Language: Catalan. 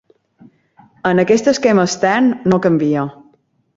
En aquest esquema extern no canvia.